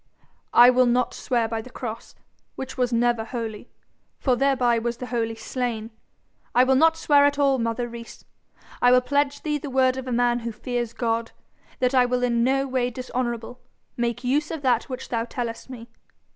'I will not swear by the cross, which was never holy, for thereby was the Holy slain. I will not swear at all, mother Rees. I will pledge thee the word of a man who fears God, that I will in no way dishonourable make use of that which thou tellest me.